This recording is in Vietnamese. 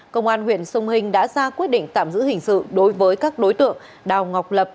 công an huyện sông hình đã ra quyết định tạm giữ hình sự đối với các đối tượng đào ngọc lập